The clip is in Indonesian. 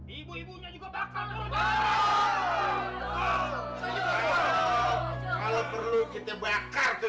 ibu ibunya juga bakal